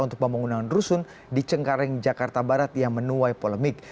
untuk pembangunan rusun di cengkareng jakarta barat yang menuai polemik